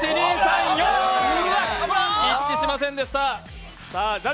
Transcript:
一致しませんでした。